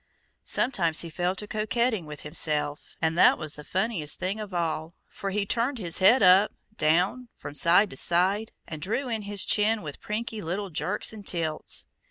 Sometimes he fell to coquetting with himself; and that was the funniest thing of all, for he turned his head up, down, from side to side, and drew in his chin with prinky little jerks and tilts.